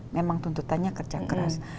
memang tuntutannya kerja keras